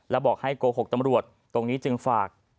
แล้วบอกให้โกหกตำรวจตรงนี้จึงฝาก